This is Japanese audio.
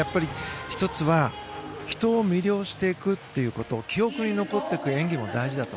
１つは人を魅了していくということ記憶に残っていく演技も大事だと。